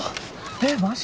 えっマジ？